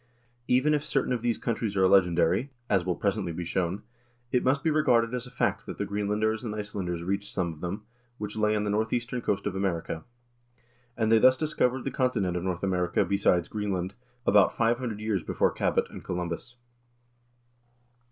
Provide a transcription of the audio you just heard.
Even if certain of these countries are legendary, as will presently be shown, it must be re garded as a fact that the Greenlanders and Icelanders reached some of them, which lay on the northeastern coast of America ; and they thus discovered the continent of North America besides Greenland, about five hundred years before Cabot (and Columbus)."